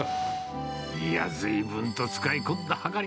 いや、ずいぶんと使い込んだはかり。